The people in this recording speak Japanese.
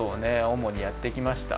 おもにやってきました。